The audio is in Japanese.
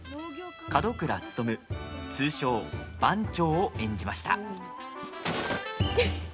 門倉努、通称・番長を演じました。